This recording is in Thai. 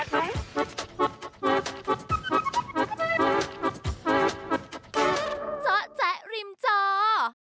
ชิมเจ้า